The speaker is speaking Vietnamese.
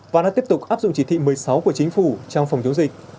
và đang tiếp tục áp dụng chỉ thị một mươi sáu của chính phủ trong phòng chống dịch